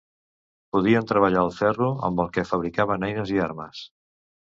Podien treballar el ferro, amb el que fabricaven eines i armes.